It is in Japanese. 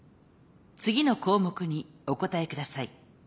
次の項目にお答えください。